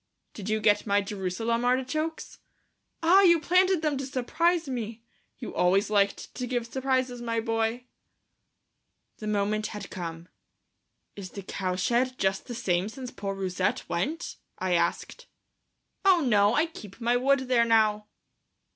"Did you get my Jerusalem artichokes?" "Ah, you planted them to surprise me! You always liked to give surprises, my boy." The moment had come. "Is the cowshed just the same since poor Rousette went?" I asked. "Oh, no; I keep my wood there now."